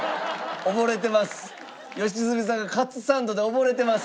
溺れてます。